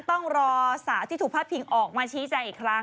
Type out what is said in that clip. ต้องรอสาธิตุผัดพิ่งออกมาชี้ใจอีกครั้ง